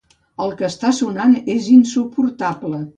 El que està sonant és insuportable.